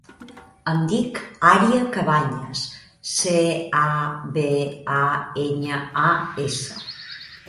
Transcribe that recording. Em dic Ària Cabañas: ce, a, be, a, enya, a, essa.